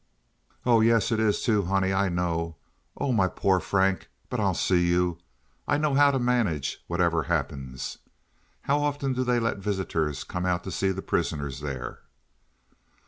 "Oh, yes, it is, too, honey. I know. Oh, my poor Frank! But I'll see you. I know how to manage, whatever happens. How often do they let visitors come out to see the prisoners there?"